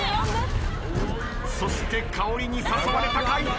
そして香りに誘われたか一直線。